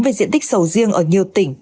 về diện tích sầu riêng ở nhiều tỉnh